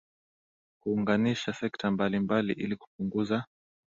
kuunganisha sekta mbali mbali ili kupunguza